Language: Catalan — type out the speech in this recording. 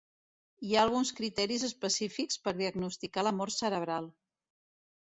Hi ha alguns criteris específics per diagnosticar la mort cerebral.